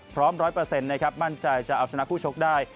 พร้อมร้อยเปอร์เซ็นต์มั่นใจจะเอาชนะคู่ชกได้